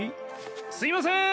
すいませーん